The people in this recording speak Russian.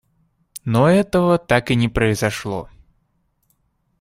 Но этого так и не произошло.